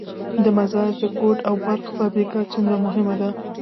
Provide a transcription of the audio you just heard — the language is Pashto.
د مزار د کود او برق فابریکه څومره مهمه ده؟